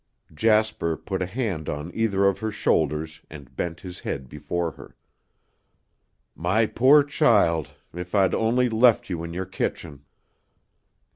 Jasper put a hand on either of her shoulders and bent his head before her. "My poor child if I'd only left you in your kitchen!"